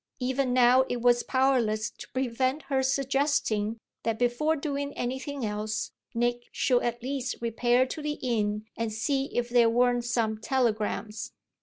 Even now it was powerless to prevent her suggesting that before doing anything else Nick should at least repair to the inn and see if there weren't some telegrams.